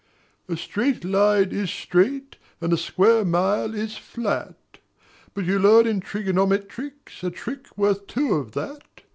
A straight line is straight And a square mile is flat: But you learn in trigonometrics a trick worth two of that.